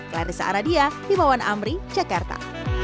clarissa aradia himawan amri jakarta